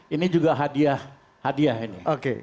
ini juga hadiah hadiah ini